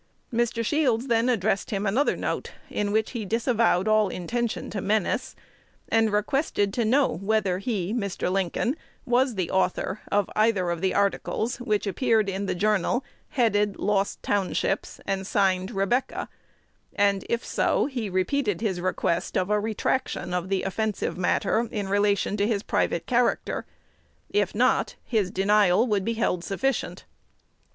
Mr. Shields then addressed him another note, in which he disavowed all intention to menace, and requested to know whether he (Mr. Lincoln) was the author of either of the articles which appeared in "The Journal," headed "Lost Townships," and signed "Rebecca;" and, if so, he repeated his request of a retraction of the offensive matter in relation to his private character; if not, his denial would be held sufficient.